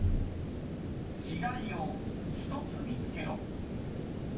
［違いを１つ見つけろ］